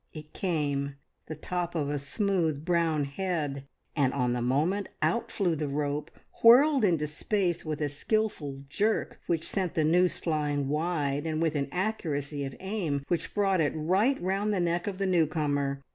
It came the top of a smooth, brown head, and on the moment out flew the rope, whirled into space with a skilful jerk which sent the noose flying wide, and with an accuracy of aim which brought it right round the neck of the new comer.